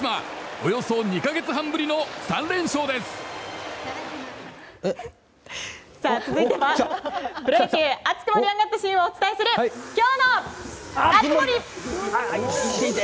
およそ２か月半ぶりの続いてはプロ野球熱く盛り上がったシーンをお伝えする今日の熱盛！